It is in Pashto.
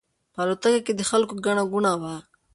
په الوتکه کې د خلکو ګڼه ګوڼه وه.